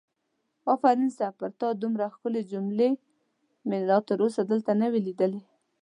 آفرین سه پر تا دومره ښکلې جملې مې تر اوسه دلته نه وي لیدلې!